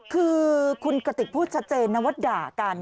คือคุณกติกพูดชัดเจนนะว่าด่ากัน